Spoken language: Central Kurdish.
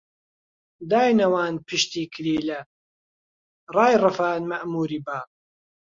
داینەواند پشتی کلیلە، ڕایڕفاند مەئمووری با